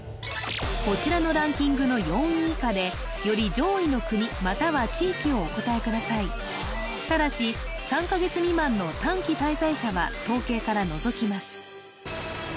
こちらのランキングの４位以下でより上位の国または地域をお答えくださいただし３カ月未満の短期滞在者は統計から除きます